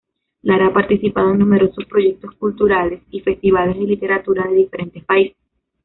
Lara ha participado en numerosos proyectos culturales y festivales de literatura de diferentes países.